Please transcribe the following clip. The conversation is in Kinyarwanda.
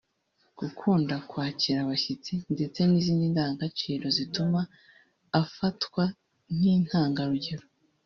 gukunda kwakira abashyitsi ndetse n’izindi ndangagaciro zituma afatwa nk’intangarugero